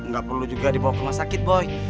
nggak perlu juga dibawa ke rumah sakit boy